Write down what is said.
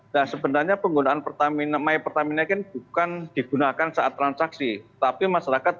dan sebenarnya penggunaan pertamina my pertamina kan bukan digunakan saat transaksi tapi masyarakat